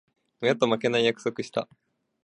親と負けない、と約束した。